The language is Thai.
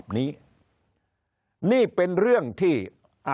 คนในวงการสื่อ๓๐องค์กร